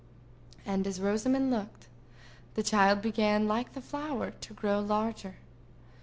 And as Rosamond looked, the child began, like the flower, to grow larger.